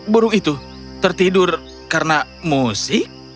burung itu tertidur karena musik